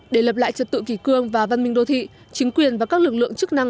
để lập lại trật tự kỳ cương và văn minh đô thị chính quyền và các lực lượng chức năng